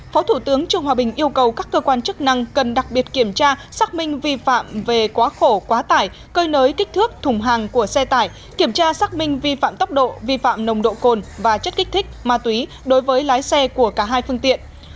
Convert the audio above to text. phó thủ tướng trương hòa bình yêu cầu các cơ quan chức năng cần đặc biệt kiểm tra xác minh vi phạm về quá khổ quá tải cơi nới kích thước thùng hàng của xe tải kiểm tra xác minh vi phạm tốc độ vi phạm nồng độ cồn và chất kích thích ma túy đối với lái xe của cả hai phương tiện